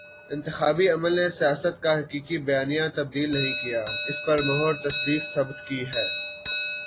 انتخابی عمل نے سیاست کا حقیقی بیانیہ تبدیل نہیں کیا، اس پر مہر تصدیق ثبت کی ہے۔